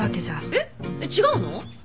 えっ違うの？